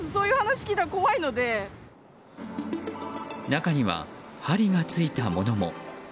中には針が付いたものも。